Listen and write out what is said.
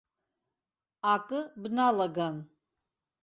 Акы бналаган.